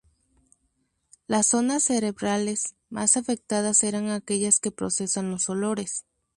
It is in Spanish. Las zonas cerebrales más afectadas eran aquellas que procesan los olores.